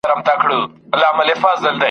زما په څېر یو ټوپ راواچاوه له پاسه ..